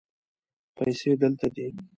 پیسې دلته دي